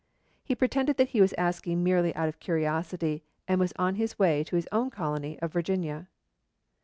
He pretended that he was asking merely out of curiosity, and was on his way to his own colony of Virginia.